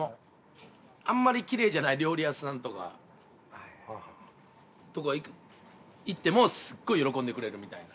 あんまりキレイじゃない料理屋さんとか行ってもすごい喜んでくれるみたいな。